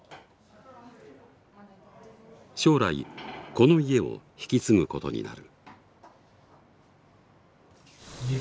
将来この家を引き継ぐことになる。